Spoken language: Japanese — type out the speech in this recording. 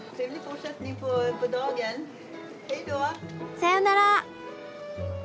さよなら。